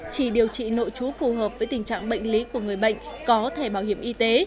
chỉ điều trị nội chú phù hợp với tình trạng bệnh lý của người bệnh có thẻ bảo hiểm y tế